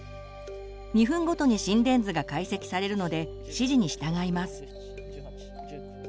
２分ごとに心電図が解析されるので指示に従います。